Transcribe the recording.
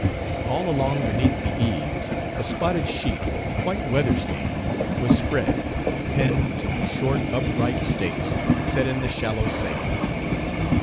All along beneath the eaves, a spotted sheet, quite weather stained, was spread, pinned to short, upright stakes, set in the shallow sand.